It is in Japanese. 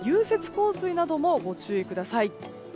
洪水などもご注意ください。